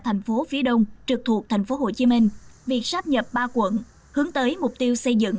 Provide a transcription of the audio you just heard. tp phd trực thuộc tp hcm việc sắp nhập ba quận hướng tới mục tiêu xây dựng